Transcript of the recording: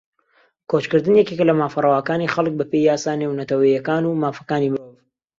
کۆچکردن یەکێکە لە مافە ڕەواکانی خەڵک بەپێی یاسا نێونەتەوەییەکان و مافەکانی مرۆڤ